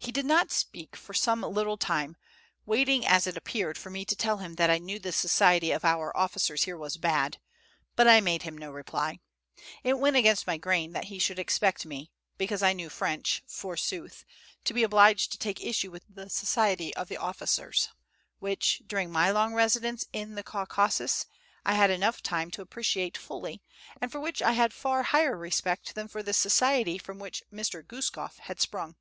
He did not speak for some little time, waiting, as it appeared, for me to tell him that I knew the society of our officers here was bad; but I made him no reply. It went against my grain that he should expect me, because I knew French, forsooth, to be obliged to take issue with the society of the officers, which, during my long residence in the Caucasus, I had had time enough to appreciate fully, and for which I had far higher respect than for the society from which Mr. Guskof had sprung.